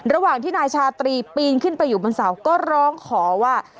ระหว่างที่นายชาตรีปีนขึ้นไปอยู่บนเสาก็ร้องขอว่า